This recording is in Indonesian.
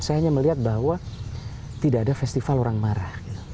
saya hanya melihat bahwa tidak ada festival orang marah